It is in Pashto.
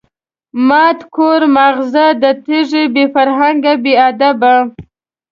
ماټ کور ماغزه د تیږی، بی فرهنگه بی ادبه